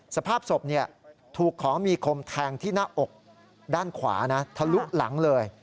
สภาพศพถูกของมีคมแทงที่หน้าอกด้านขวานะทะลุหลังเลย